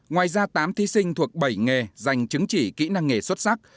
ngoài ra tám thí sinh thuộc bảy nghề giành chứng chỉ kỹ năng nghề xuất sắc